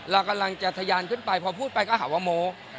เรากำลังจะทะยานขึ้นไปพอพูดไปก็หาว่าโม้